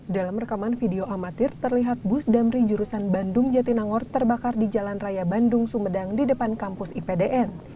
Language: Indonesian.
dalam rekaman video amatir terlihat bus damri jurusan bandung jatinangor terbakar di jalan raya bandung sumedang di depan kampus ipdn